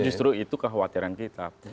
justru itu khawatiran kita